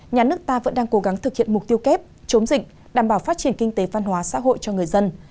nhà nước ta vẫn đang cố gắng thực hiện mục tiêu kép chống dịch đảm bảo phát triển kinh tế văn hóa xã hội cho người dân